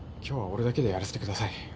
今日は俺だけでやらせてください。